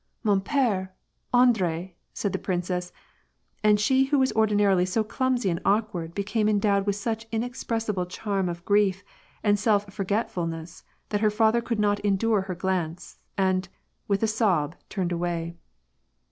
" Man p^e / Andre !" said the princess, and she who was ardinarily so clumsy and awkward became endowed with such inexpressible charm of grief and self forgetfulness that her fiather could not endure her glance, and, with a sob, turned away.